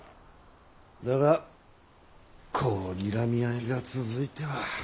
だがこうにらみ合いが続いては。